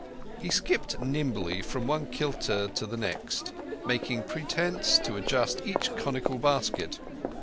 He skipped nimbly from one kilta to the next, making pretence to adjust each conical basket.